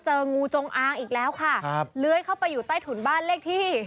งูจงอางอีกแล้วค่ะครับเลื้อยเข้าไปอยู่ใต้ถุนบ้านเลขที่